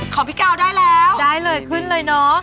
ของพี่กาวได้แล้วได้เลยขึ้นเลยเนอะ